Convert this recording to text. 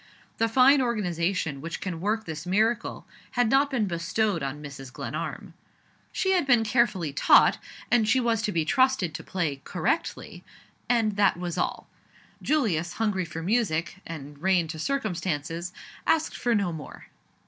The fine organization which can work this miracle had not been bestowed on Mrs. Glenarm. She had been carefully taught; and she was to be trusted to play correctly and that was all. Julius, hungry for music, and reigned to circumstances, asked for no more.